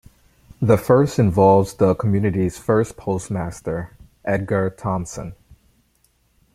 The first involves the community's first postmaster, Edgar Thomson.